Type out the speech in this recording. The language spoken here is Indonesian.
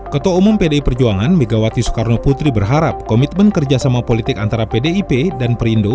ketua umum pdi perjuangan megawati soekarno putri berharap komitmen kerjasama politik antara pdip dan perindo